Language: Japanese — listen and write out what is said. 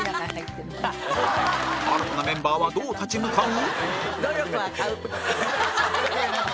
新たなメンバーはどう立ち向かう？